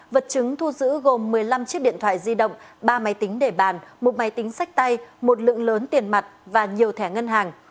vật chứng thu giữ gồm một mươi năm chiếc điện thoại di động ba máy tính để bàn một máy tính sách tay một lượng lớn tiền mặt và nhiều thẻ ngân hàng